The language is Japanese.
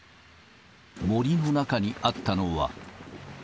森の中にあったのは。